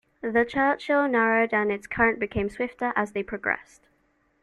The Churchill narrowed and its current became swifter as they progressed.